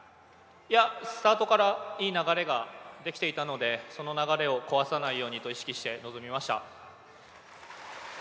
スタートからいい流れができていたのでその流れを壊さないようにと意識して臨みました。